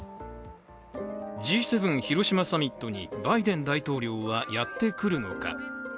Ｇ７広島サミットにバイデン大統領はやってくるのか？